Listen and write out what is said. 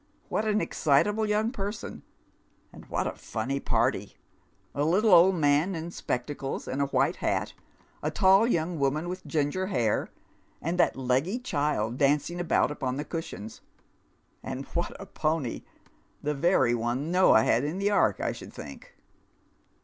" What an excitable young person 1 And what a innny purty I A little old nmn in spectacles and a white iiat, a tall Town and County. 97 young woman with ginger hair, and that leggy child dancing about upon the cushions. And what a pony I The very one Noah had in the ark, I should think."